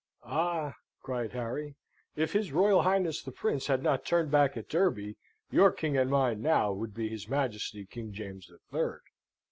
"Ah!" cried Harry; "if his Royal Highness the Prince had not turned back at Derby, your king and mine, now, would be his Majesty King James the Third!"